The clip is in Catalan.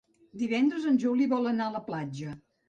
Divendres en Juli vol anar a la platja.